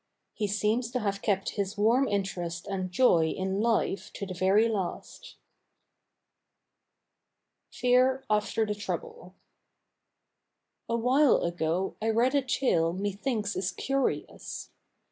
He seems to have kept his warm interest and joy in life to the very last. FEAR AFTER THE TROUBLE Awhile ago I read a tale methinks is curious.